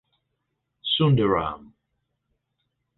Sundaram.